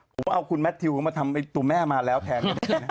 ผมว่าเอาคุณแมททิวมาทำตัวแม่มาแล้วแทน